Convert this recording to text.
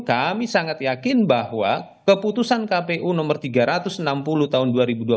keputusan kpu nomor tiga ratus enam puluh tahun dua ribu dua puluh empat